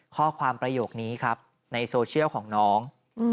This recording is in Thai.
ข้อความประโยคนี้ครับในโซเชียลของน้อง